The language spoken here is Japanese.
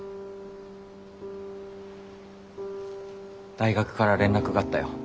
大学から連絡があったよ。